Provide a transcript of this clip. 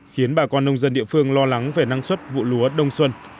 khiến bà con nông dân địa phương lo lắng về năng suất vụ lúa đông xuân